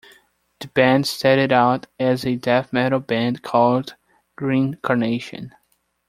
The band started out as a death metal band called Green Carnation.